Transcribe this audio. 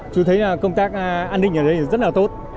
chú thấy công tác an ninh ở đây rất là tốt